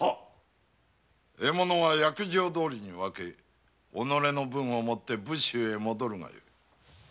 獲物は約定どおりに分け己の分を持って武州へ戻るがよい。